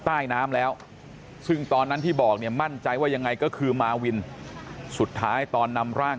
ใต้น้ำแล้วซึ่งตอนนั้นที่บอกเนี่ยมั่นใจว่ายังไงก็คือมาวินสุดท้ายตอนนำร่าง